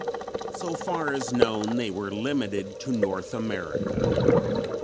So far as known they were limited to North America.